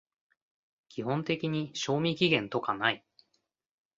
基本的に賞味期限とかない